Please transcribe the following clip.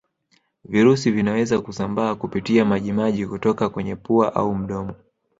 Virusi vinaweza kusambaa kupitia maji maji kutoka kwenye pua au mdomo